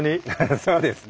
そうですね。